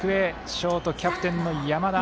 ショート、キャプテンの山田。